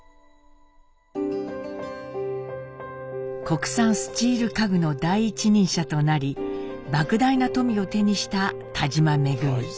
国産スチール家具の第一人者となりばく大な富を手にした田嶋恩。